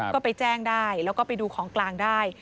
ก็ไปแจ้งได้แล้วก็ไปดูของกลางได้